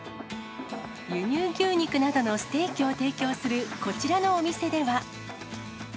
輸入牛肉などのステーキを提供するこちらのお店では。